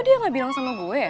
dia dateng sama gue ya